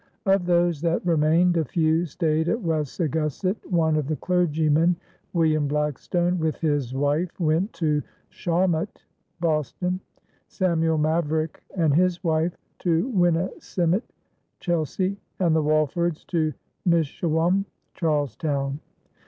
Of those that remained a few stayed at Wessagusset; one of the clergymen, William Blackstone, with his wife went to Shawmut (Boston); Samuel Maverick and his wife, to Winnissimmet (Chelsea); and the Walfords, to Mishawum (Charlestown).